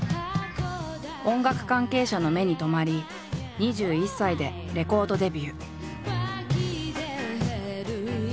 音楽関係者の目に留まり２１歳でレコードデビュー。